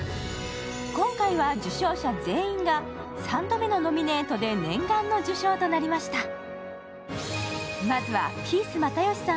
今回は受賞者全員が３度目のノミネートで念願の受賞となりました。